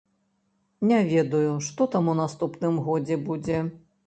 Не ведаю, што там у наступным годзе будзе.